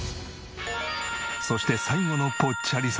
そして最後のぽっちゃりさんが。